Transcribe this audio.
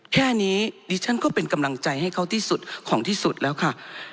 แค่นี้ดิฉันก็เป็นกำลังใจให้เขาที่สุดของที่สุดแล้วค่ะ